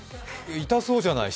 痛そうじゃない？